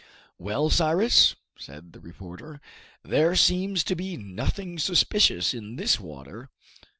"Well, Cyrus," said the reporter, "there seems to be nothing suspicious in this water."